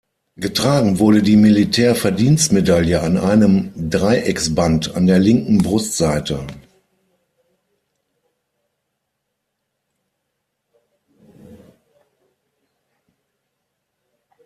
Getragen wurde die Militär-Verdienstmedaille an einem Dreiecksband an der linken Brustseite.